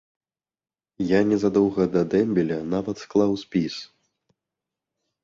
Я незадоўга да дэмбеля нават склаў спіс.